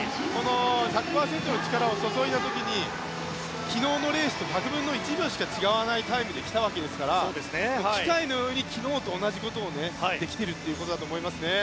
１００％の力を注いだ時に昨日のレースと１００分の１秒しか違わないタイムで来たわけですから昨日と同じことをできているということだと思いますね。